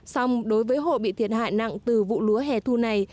song đối với hộ bị thiệt hại nặng từ vụ lúa hè thu này